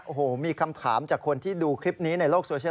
โอ้โหมีคำถามจากคนที่ดูคลิปนี้ในโลกโซเชียล